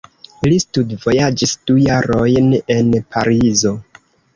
Li studvojaĝis du jarojn en Parizo.